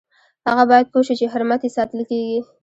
هغه باید پوه شي چې حرمت یې ساتل کیږي.